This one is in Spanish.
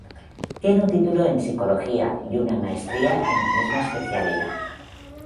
Tiene un título en psicología y una maestría en la misma especialidad.